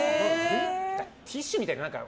ティッシュみたいに。